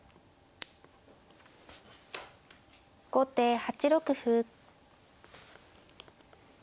後手８六歩。